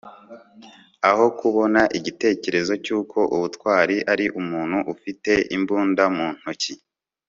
aho kubona igitekerezo cyuko ubutwari ari umuntu ufite imbunda mu ntoki